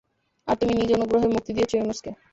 আর তুমি নিজ অনুগ্রহে মুক্তি দিয়েছ ইউনুসকে।